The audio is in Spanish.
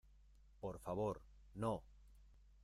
por favor, no.